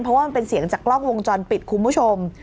เพราะว่ามันเป็นเสียงจากกล้องวงจรปิดคุณผู้ชม